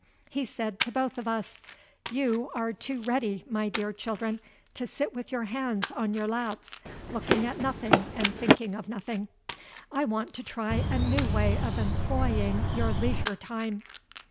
He said to both of us: 'You are too ready, my dear children, to sit with your hands on your laps, looking at nothing and thinking of nothing; I want to try a new way of employing your leisure time.